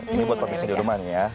ini buat pake sini rumah nih ya